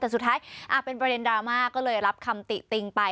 แต่สุดท้ายเป็นประเด็นดราม่าก็เลยรับคำติติงไป